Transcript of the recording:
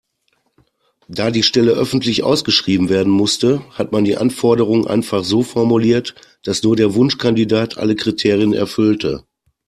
Da die Stelle öffentlich ausgeschrieben werden musste, hat man die Anforderungen einfach so formuliert, dass nur der Wunschkandidat alle Kriterien erfüllte.